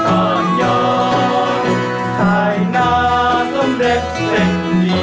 ขายหัวให้เจ็บฟันไป